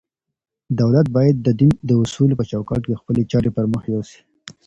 دولت بايد د دين د اصولو په چوکاټ کي خپلي چارې پر مخ يوسي.